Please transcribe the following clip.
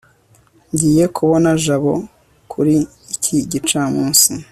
ngiye kubona jabo kuri iki gicamunsi